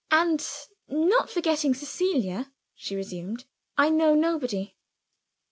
"And not forgetting Cecilia," she resumed, "I know nobody."